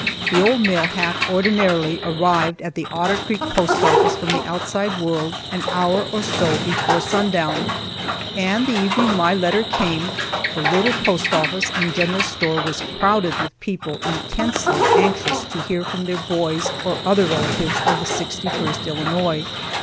The old mail hack ordinarily arrived at the Otter Creek post office from the outside world an hour or so before sundown, and the evening my letter came, the little old post office and general store was crowded with people intensely anxious to hear from their boys or other relatives in the 61st Illinois.